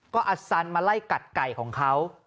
ก็อสันมาไล่กัดไก่ของเขา